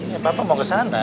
ya bapak mau ke sana